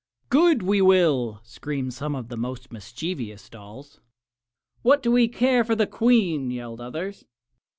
"Good, we will!" screamed some of the most mischievous dolls. "What do we care for the Queen?" yelled others.